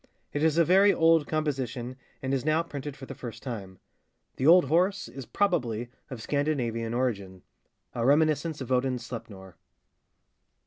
It is a very old composition, and is now printed for the first time. The 'old horse' is, probably, of Scandinavian origin,—a reminiscence of Odin's Sleipnor.